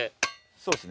そうですね。